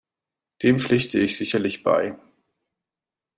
Dem pflichte ich sicherlich bei.